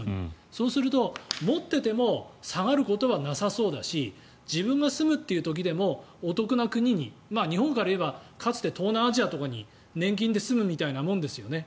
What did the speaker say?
そうすると、持っていても下がることはなさそうだし自分が住むという時でもお得な国に日本から言えばかつて東南アジアとかに年金で住むみたいなものですよね。